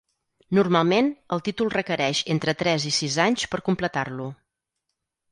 Normalment, el títol requereix entre tres i sis anys per completar-lo.